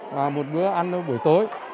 và một bữa ăn buổi tối